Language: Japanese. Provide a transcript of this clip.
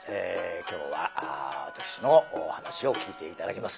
今日は私の噺を聴いて頂きます。